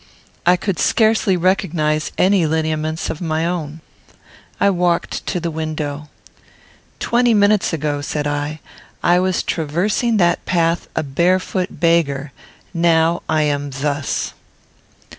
I could scarcely recognise any lineaments of my own. I walked to the window. "Twenty minutes ago," said I, "I was traversing that path a barefoot beggar; now I am thus."